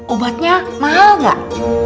obatnya mahal gak